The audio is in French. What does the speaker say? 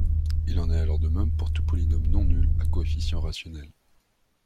Il en est alors de même pour tout polynôme non nul à coefficients rationnels.